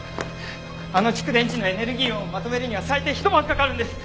あの蓄電池のエネルギー論をまとめるには最低ひと晩かかるんです。